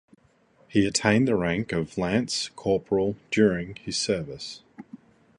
He attained the rank of lance corporal during his service.